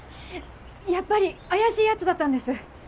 やっぱり怪しいやつだったんです。